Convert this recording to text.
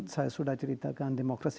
saya sudah ceritakan demokrasi